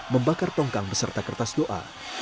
membakar tongkang beserta kertas doa